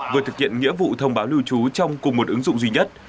vừa thực hiện nghĩa vụ thông báo lưu trú trong cùng một ứng dụng duy nhất